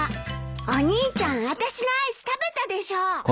お兄ちゃんあたしのアイス食べたでしょ！